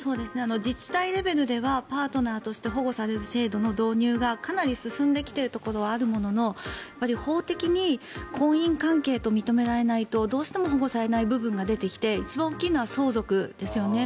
自治体レベルではパートナーとして保護される制度の導入がかなり進んできているところはあるものの法的に婚姻関係と認められないとどうしても保護されない部分が出てきて一番大きいのは相続ですよね。